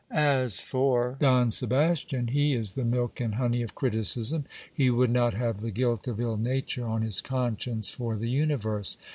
As for Don Sebastian, he is the milk and honey of criticism ; he would not have the guilt of ill nature on his conscience for the universe.